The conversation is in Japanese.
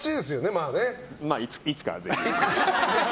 まあ、いつかはぜひ。